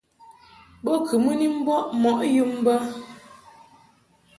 Bo kɨ mɨ ni mbɔʼ mɔʼ yum bə.